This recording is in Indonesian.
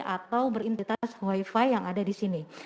atau berintitas wifi yang ada di sini